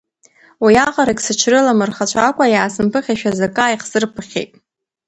Уиаҟарагь сыҽрыламырхацәакәа, иаасымԥыхьашәаз акы ааихсырԥхьеит.